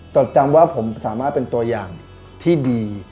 จดจำว่าผมสามารถเป็นตัวอย่างที่ดี